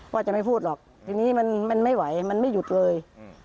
ว่าจะไม่พูดหรอกทีนี้มันไม่ไหวมันไม่หยุดเลย